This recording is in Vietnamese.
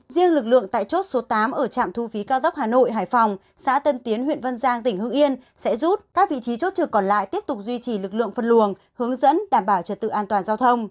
riêng lực lượng tại chốt số tám ở trạm thu phí cao tốc hà nội hải phòng xã tân tiến huyện văn giang tỉnh hưng yên sẽ rút các vị trí chốt trực còn lại tiếp tục duy trì lực lượng phân luồng hướng dẫn đảm bảo trật tự an toàn giao thông